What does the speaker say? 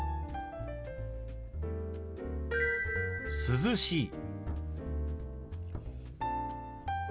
「涼しい」。